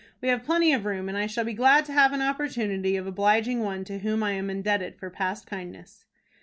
"We have plenty of room, and I shall be glad to have an opportunity of obliging one to whom I am indebted for past kindness."